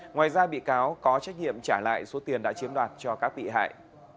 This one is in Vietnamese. ngoài ra bị cáo có trách nhiệm trả lại số tiền đã chiếm đoạt cho các bị hại